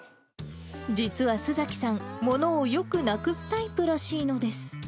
実は須崎さん、物をよくなくすタイプらしいのです。